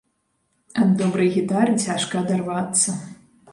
Ад добрай гітары цяжка адарвацца.